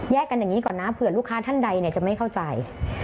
กันอย่างนี้ก่อนนะเผื่อลูกค้าท่านใดจะไม่เข้าใจ